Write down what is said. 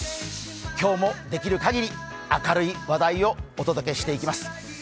今日もできる限り、明るい話題をお届けしていきます。